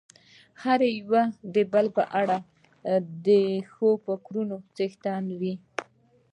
هر يو د بل په اړه د ښو فکرونو څښتن وي.